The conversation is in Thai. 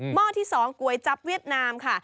ห้อที่๒ก๋วยจับเวียดนามค่ะ